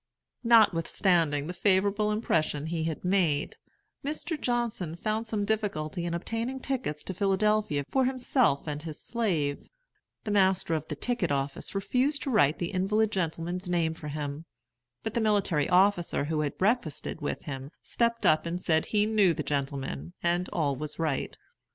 Notwithstanding the favorable impression he had made, Mr. Johnson found some difficulty in obtaining tickets to Philadelphia for himself and his slave. The master of the ticket office refused to write the invalid gentleman's name for him. But the military officer who had breakfasted with him stepped up and said he knew the gentleman, and all was right.